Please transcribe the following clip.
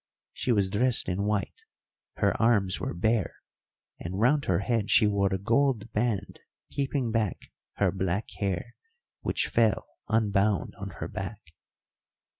She was dressed in white, her arms were bare, and round her head she wore a gold band keeping back her black hair, which fell unbound on her back.